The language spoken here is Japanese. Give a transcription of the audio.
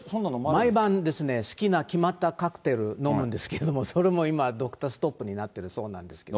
毎晩、好きな決まったカクテル飲むんですけども、それも今、ドクターストップになっているそうですけどね。